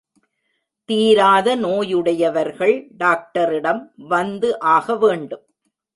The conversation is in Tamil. தீராத நோயுடையவர்கள் டாக்டரிடம் வந்து ஆக வேண்டும்.